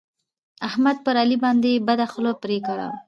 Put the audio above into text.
احمد پر علي باندې بده خوله پرې کړه.